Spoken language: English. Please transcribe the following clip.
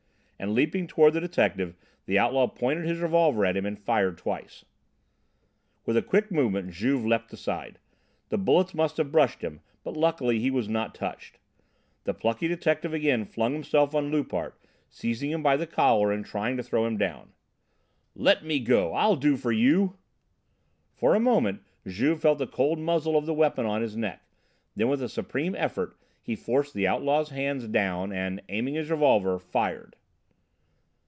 And, leaping toward the detective, the outlaw pointed his revolver at him and fired twice. With a quick movement Juve leaped aside. The bullets must have brushed him, but luckily he was not touched. The plucky detective again flung himself on Loupart, seized him by the collar and tried to throw him down. "Let me go! I'll do for you " For a moment Juve felt the cold muzzle of the weapon on his neck. Then, with a supreme effort, he forced the outlaw's hands down and, aiming his revolver, fired.